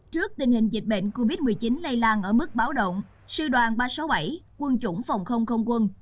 trước tình hình dịch bệnh covid một mươi chín lây lan ở mức báo động sư đoàn ba trăm sáu mươi bảy quân chủng phòng không không quân